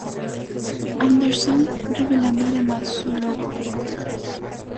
Anderson, revelando además su logo y colores.